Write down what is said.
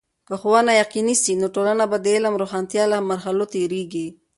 که ښوونه یقيني سي، نو ټولنه به د علم د روښانتیا له مرحلو تیریږي.